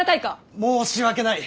申し訳ない。